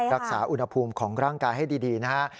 รักษาอุณหภูมิของร่างกายให้ดีนะฮะ